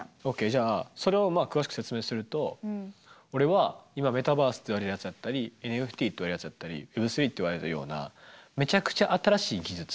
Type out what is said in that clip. じゃあそれをまあ詳しく説明すると俺は今メタバースといわれるやつやったりＮＦＴといわれるやつやったりウェブスリーといわれるようなめちゃくちゃ新しい技術。